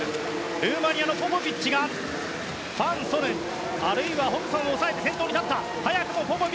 ルーマニアのポポビッチがファン・ソヌあるいはホブソンを抑えて先頭に立った。